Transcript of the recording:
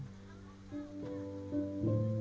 lalu kemudian kemudian kemudian